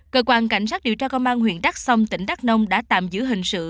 cơ quan cảnh sát điều tra công an huyện đắk song tỉnh đắk nông đã tạm giữ hình sự